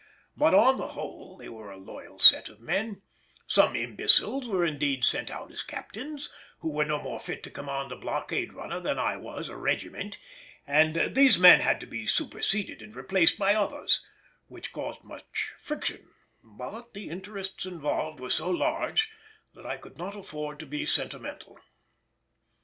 But on the whole they were a loyal set of men; some imbeciles were indeed sent out as captains, who were no more fit to command a blockade runner than I was a regiment, and these men had to be superseded and replaced by others: which caused much friction, but the interests involved were so large that I could not afford to be sentimental.